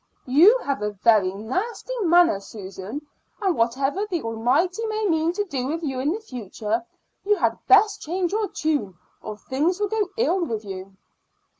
"You have a very nasty manner, Susan; and whatever the Almighty may mean to do with you in the future, you had best change your tune or things will go ill with you."